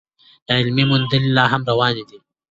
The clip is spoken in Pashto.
علمي موندنې لا هم روانې دي.